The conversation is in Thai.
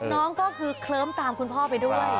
น้องก็คือเคลิ้มตามคุณพ่อไปด้วย